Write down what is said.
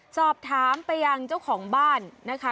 สอบถามไปยังเจ้าของบ้านนะคะ